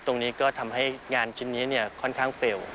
ตรงนี้ก็ทำให้งานชิ้นนี้ค่อนข้างเฟลล์